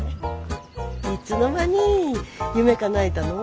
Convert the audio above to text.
いつの間に夢かなえたの？